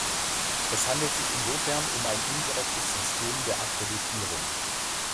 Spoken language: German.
Es handelt sich insofern um ein indirektes System der Akkreditierung.